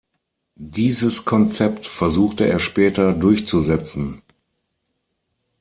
Dieses Konzept versuchte er später durchzusetzen.